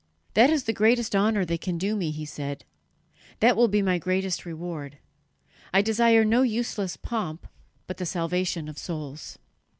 "That is the greatest honour they can do me," he said; "that will be my greatest reward. I desire no useless pomp, but the salvation of souls."